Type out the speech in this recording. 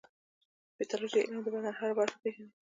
د پیتالوژي علم د بدن هره برخه پېژني.